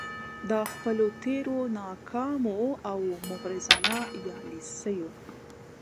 د خپلو تیرو ناکامو او مغرضانه يالیسیو